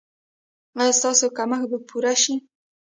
ایا ستاسو کمښت به پوره شي؟